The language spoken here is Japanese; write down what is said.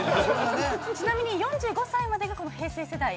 ちなみに４５歳までがこの平成世代。